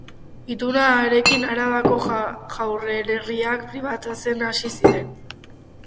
Itun harekin, Arabako jaurerriak pribatizatzen hasi ziren.